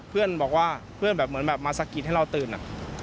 เพื่อนบอกว่าเพื่อนแบบเหมือนแบบมาสะกิดให้เราตื่นอะ